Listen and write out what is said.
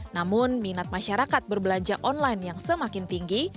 namun minat masyarakat berbelanja online yang semakin tinggi